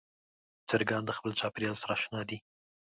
چرګان د خپل چاپېریال سره اشنا دي.